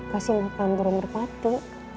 kasih makamu rempati